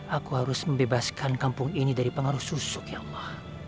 aku harus membebaskan kampung ini dari pengaruh susuk ya allah